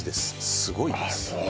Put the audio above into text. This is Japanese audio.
すごいですああ